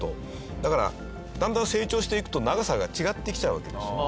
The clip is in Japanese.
だからだんだん成長していくと長さが違ってきちゃうわけですよね。